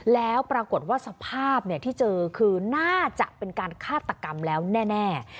แล้วปรากฏว่าสภาพที่เจอคือน่าจะเป็นการฆาตกรรมแล้วแน่